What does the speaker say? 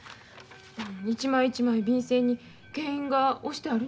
一枚一枚便箋に検印が押してあるんやもん。